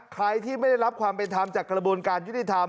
ใครที่ไม่ได้รับความเป็นธรรมจากกระบวนการยุติธรรม